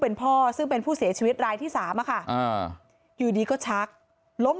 เป็นพ่อซึ่งเป็นผู้เสียชีวิตรายที่สามอะค่ะอยู่ดีก็ชักล้ม